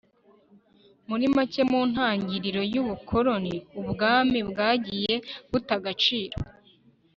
muri make, mu ntagiriro y'ubukoloni, ubwami bwagiye buta agaciro